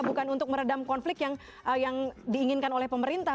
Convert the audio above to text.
bukan untuk meredam konflik yang diinginkan oleh pemerintah